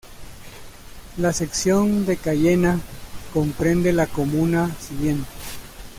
La sección de Cayena comprende la comuna siguiente